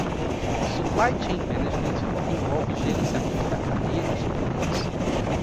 Supply Chain Management envolve gerenciamento da cadeia de suprimentos.